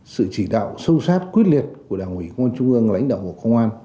sự chỉ đạo sâu sát quyết liệt của đảng ủy công an trung ương lãnh đạo bộ công an